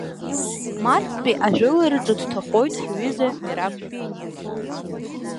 Марттәи ажәылараҿы дҭахоит ҳҩыза Мераб Бениа.